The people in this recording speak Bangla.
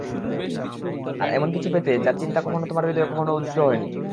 আর এমন কিছু পেতে, যার চিন্তা কখনো তোমার হৃদয়ে কখনো উদয় হয়নি।